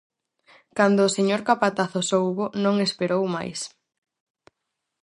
Cando o señor capataz o soubo, non esperou máis...